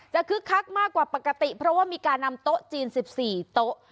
คึกคักมากกว่าปกติเพราะว่ามีการนำโต๊ะจีน๑๔โต๊ะ